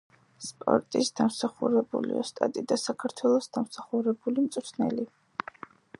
სპორტის დამსახურებული ოსტატი და საქართველოს დამსახურებული მწვრთნელი.